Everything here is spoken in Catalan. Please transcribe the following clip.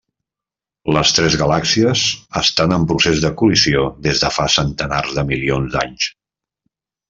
Les tres galàxies estan en procés de col·lisió des de fa centenars de milions d'anys.